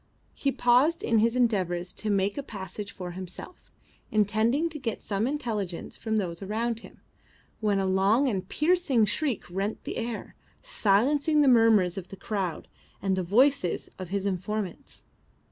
He paused in his endeavours to make a passage for himself, intending to get some intelligence from those around him, when a long and piercing shriek rent the air, silencing the murmurs of the crowd and the voices of his informants.